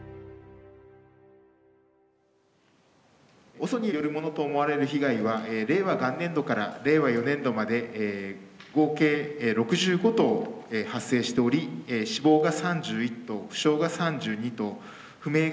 ＯＳＯによるものと思われる被害は令和元年度から令和４年度まで合計６５頭発生しており死亡が３１頭負傷が３２頭不明が２頭というふうな状況となっております。